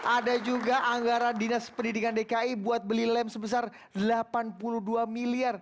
ada juga anggaran dinas pendidikan dki buat beli lem sebesar delapan puluh dua miliar